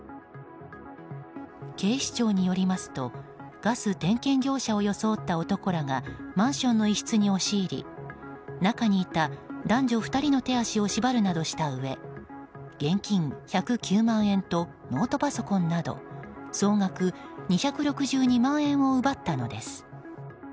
警視庁によりますとガス点検業者を装った男らがマンションの一室に押し入り中にいた男女２人の手足を縛るなどしたうえ現金１０９万円とノートパソコンなど総額２６２万円を奪ったのです。